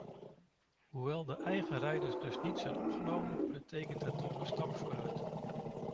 Hoewel de eigen rijders dus niet zijn opgenomen, betekent het toch een stap vooruit.